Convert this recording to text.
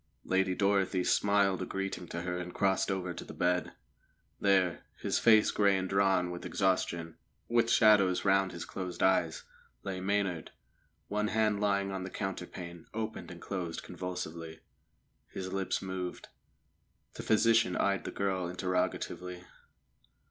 Lady Dorothy smiled a greeting to her and crossed over to the bed. There, his face grey and drawn with exhaustion, with shadows round his closed eyes, lay Maynard; one hand lying on the counterpane opened and closed convulsively, his lips moved. The physician eyed the girl interrogatively.